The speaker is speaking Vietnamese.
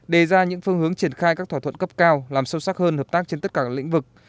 đề ra những phương hướng triển khai các thỏa thuận cấp cao làm sâu sắc hơn hợp tác trên tất cả các lĩnh vực